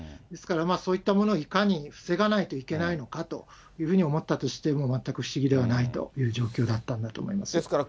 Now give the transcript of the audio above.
ですから、そういったものをいかに防がないといけないのかというふうに思ったとしても、全く不思議ではないという状況だったと思います。